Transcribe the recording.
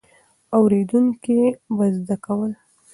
اورېدونکي به زده کول.